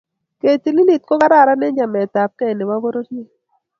ketililit ko kararan eng chametapgei ne bo pororiet.